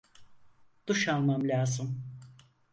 Duş almam lazım.